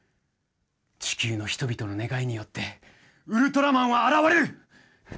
地球の人々の願いによってウルトラマンは現れる！